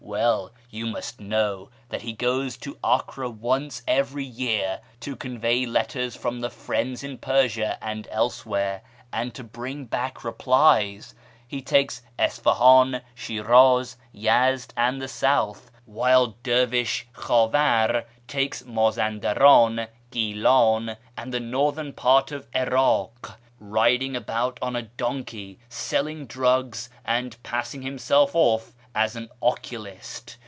Well, you must know that he goes to Acre once every year to •onvey letters from ' the Friends ' in Persia and elsewhere, lud to bring back replies. He takes Isfahan, Shiraz, Yezd, ind the south, while Dervish Khavar takes Mazandaran, lilan, and the northern part of 'In'ik, riding about on a onkey, selling drugs, and passing himself off as an oculist.